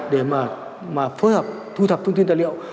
để mà phối hợp thu thập thông tin tài liệu